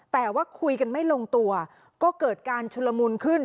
แต่ว่าคุยกันไม่ลงตัวก็เกิดการชุลมุนขึ้น